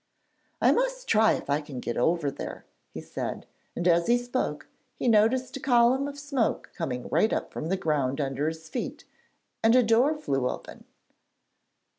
'I must try if I can get over there,' he said, and as he spoke, he noticed a column of smoke coming right up from the ground under his feet, and a door flew open.